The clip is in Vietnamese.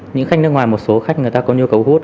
những khách nước ngoài một số khách người ta có nhu cầu gốt